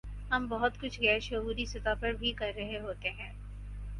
ہم بہت کچھ غیر شعوری سطح پر بھی کر رہے ہوتے ہیں۔